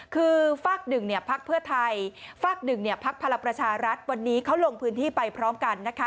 คือฝากหนึ่งเนี่ยภาคเพื่อไทยฝากหนึ่งเนี่ยภาคพลประชารัฐวันนี้เขาลงพื้นที่ไปพร้อมกันนะคะ